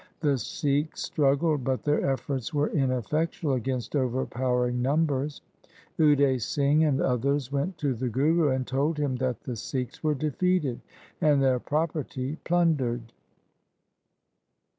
The Sikhs struggled, but their efforts were ineffectual against overpowering numbers. Ude Singh and others went to the Guru, and told him that the Sikhs were defeated and their property plundered.